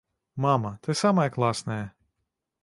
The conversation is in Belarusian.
Мама, ты самая класная.